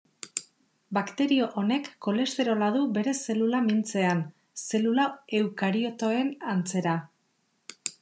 Bakterio honek kolesterola du bere zelula mintzean, zelula eukariotoen antzera.